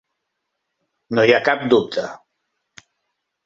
No hi ha cap dubte.